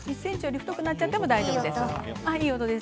１ｃｍより太くなっても大丈夫です。